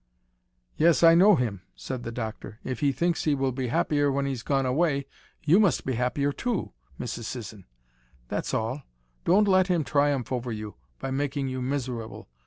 "Yes, I know him," said the doctor. "If he thinks he will be happier when he's gone away, you must be happier too, Mrs. Sisson. That's all. Don't let him triumph over you by making you miserable.